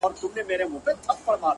o لـه ژړا دي خداى را وساته جانـانـه ـ